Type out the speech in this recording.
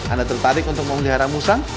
anda tertarik untuk memelihara musang